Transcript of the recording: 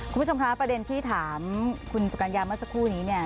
คุณผู้ชมคะประเด็นที่ถามคุณสุกัญญาเมื่อสักครู่นี้เนี่ย